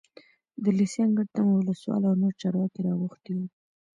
د لېسې انګړ ته مو ولسوال او نور چارواکي راغوښتي وو.